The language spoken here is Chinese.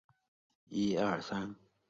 废帝溥仪追谥文慎。